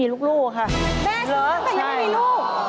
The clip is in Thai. แม่ซื้อตั้งแต่ยังไม่มีลูก